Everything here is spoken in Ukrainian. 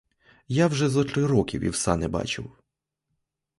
Я вже зо три роки вівса не бачив.